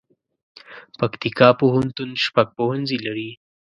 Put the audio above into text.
پکتیکا پوهنتون شپږ پوهنځي لري